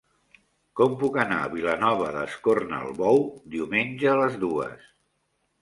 Com puc anar a Vilanova d'Escornalbou diumenge a les dues?